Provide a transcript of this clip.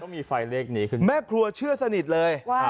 แม่ครัวเชื่อสนิทเลย